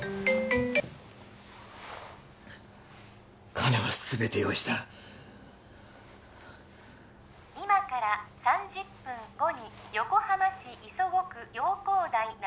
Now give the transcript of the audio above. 金は全て用意した今から３０分後に横浜市磯子区洋光台７